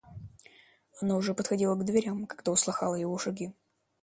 Она уже подходила к дверям, когда услыхала его шаги.